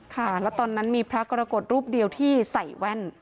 ค่ะแล้วตอนนั้นมีพระกรกฎรูปเดียวที่ใส่แว่น